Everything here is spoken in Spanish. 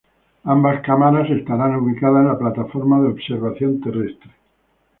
Ambas cámaras estarán ubicadas en la Plataforma de Observación Terrestre.